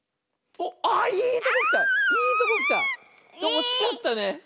おしかったね。